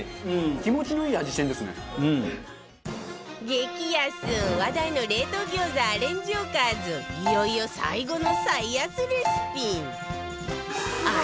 激安話題の冷凍餃子アレンジおかずいよいよ最後の最安レシピ